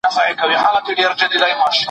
مرګ یوې ژمنې ته ورته دی.